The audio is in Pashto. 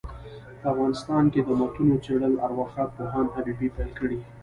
په افغانستان کي دمتونو څېړل ارواښاد پوهاند حبیبي پيل کړ.